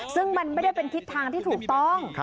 ซึ่งมันไม่ได้เป็นทิศทางที่ถูกต้อง